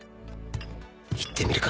行ってみるか